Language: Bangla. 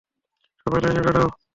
সবাই লাইনে দাঁড়াও।